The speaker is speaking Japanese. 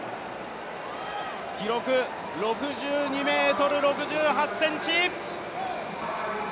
記録、６２ｍ６８ｃｍ。